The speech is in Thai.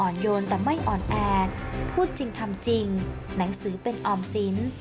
โยนแต่ไม่อ่อนแอพูดจริงทำจริงหนังสือเป็นออมสิน